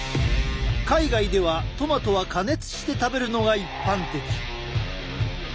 海外ではトマトは加熱して食べるのが一般的。